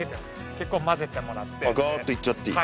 結構混ぜてもらってガーっていっちゃっていい？